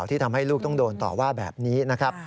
ที่ทำให้ลูกต้องโดนต่อว่าแบบนี้นะครับ